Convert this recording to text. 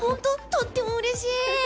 とってもうれしい！